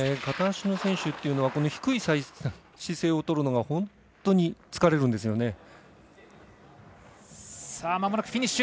片足の選手というのは低い姿勢をとるのが本当に疲れるんですよね。